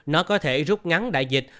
nó có thể rút ngắn đại dịch